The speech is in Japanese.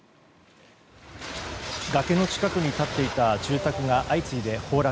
崖の近くに立っていた住宅が相次いで崩落。